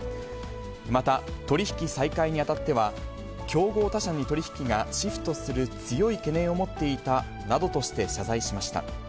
また、取り引き再開にあたっては、競合他社に取り引きがシフトする強い懸念を持っていたなどとして謝罪しました。